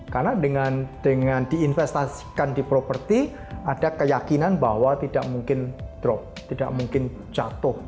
karena dengan diinvestasikan di properti ada keyakinan bahwa tidak mungkin drop tidak mungkin jatuh